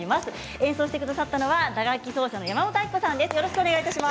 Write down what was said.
演奏してくださったのは打楽器奏者の山本晶子さんです。